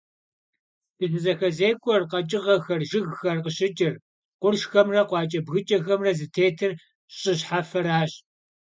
ДыщызэхэзекӀуэр, къэкӀыгъэхэр, жыгхэр къыщыкӀыр, къуршхэмрэ къуакӀэ-бгыкӀэхэмрэ зытетыр щӀы щхьэфэращ.